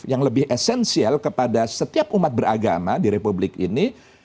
yang lebih esensial kepada setiap umat beragama di republik ini